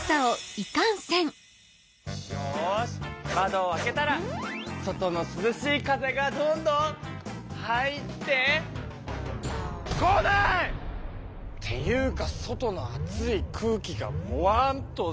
よし窓を開けたら外のすずしい風がどんどん入って。来ない！っていうか外の暑い空気がボワンとせめてくる。